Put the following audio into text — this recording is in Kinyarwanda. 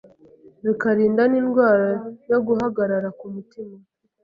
bikarinda n’indwara yo guhagarara k’umutima